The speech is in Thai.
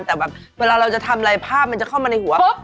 แต่แบบเวลาเราจะทำอะไรภาพมันจะเข้ามาในหัว